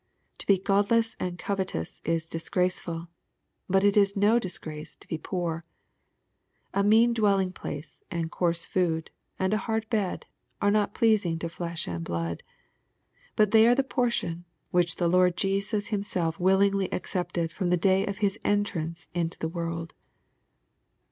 To be godless and covetous is disgraceful, but it is no disgrace to be poor. A mean dwelling place, and coarse food, and a hard bed, are not pleasing to flesh and blood. But they are the portion which the Lord Jesus Himself willingly accepted from the day of His entrance into the world.